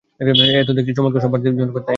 এতো দেখছি, চমৎকার সব বাড়তি যন্ত্রপাতি, তাই না?